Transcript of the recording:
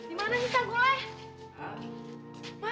di mana sih canggul eh